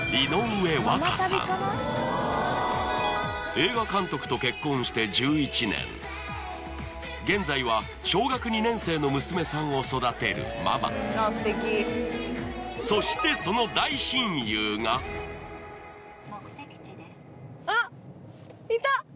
映画監督と結婚して１１年現在は小学２年生の娘さんを育てるママそしてそのあっいた！